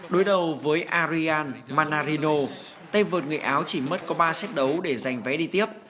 đối đầu với arian manarino tay vợt nghệ áo chỉ mất có ba xét đấu để giành vé đi tiếp